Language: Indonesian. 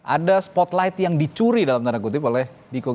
ada spotlight yang dicuri dalam tanda kutip oleh niko